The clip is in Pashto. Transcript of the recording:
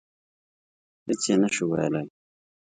هېڅ یې نه شو ویلای.